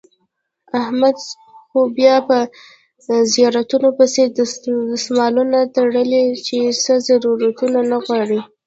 احمد خو بیا په زیارتونو پسې دسمالونه تړي چې څه ضرورتو نه غواړي.